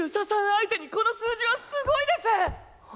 相手にこの数字はすごいです！